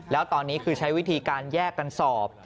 แล้วตอนนี้คือใช้วิธีการแยกกันสอบ